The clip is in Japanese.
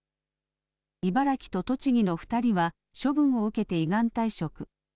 茨城と栃木の２人は処分を受けて依願退職。